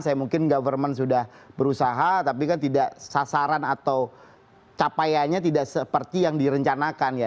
saya mungkin government sudah berusaha tapi kan tidak sasaran atau capaiannya tidak seperti yang direncanakan ya